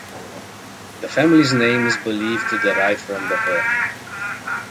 The family's name is believed to derive from the herb.